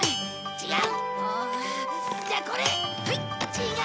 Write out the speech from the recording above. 違う。